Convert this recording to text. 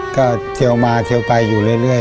ก็เทียวมาเทียวไปอยู่เรื่อย